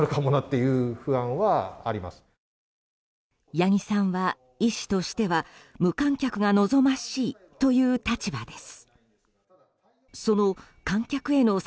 八木さんは、医師としては無観客が望ましいという立場です。